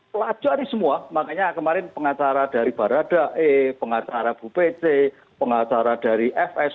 pelajari semua makanya kemarin pengacara dari baradae pengacara bu pece pengacara dari fs